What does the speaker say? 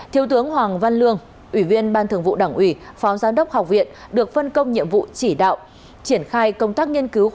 trung tướng đỗ quyết phó bí thư đảng ủy giám đốc học viện quân y cùng chịu trách nhiệm